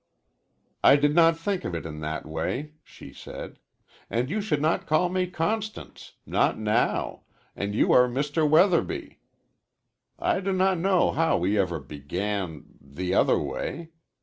"I did not think of it in that way," she said, "and you should not call me Constance, not now, and you are Mr. Weatherby. I do not know how we ever began the other way.